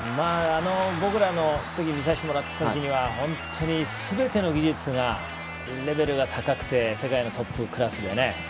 僕らが見させてもらってたときはすべての技術のレベルが高くて世界のトップクラスで。